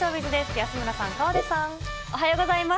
安村さん、おはようございます。